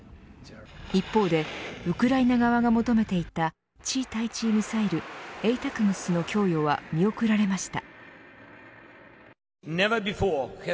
一方でウクライナ側が求めていた地対地ミサイルＡＴＡＣＭＳの供与は見送られました。